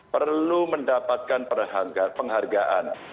perlu mendapatkan penghargaan